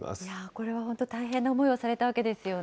これは本当、大変な思いをされたわけですよね。